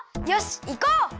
よしいこう！